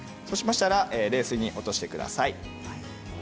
そうしたら冷水に落としてください。